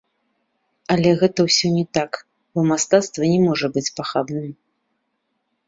Але гэта ўсё не так, бо мастацтва не можа быць пахабным.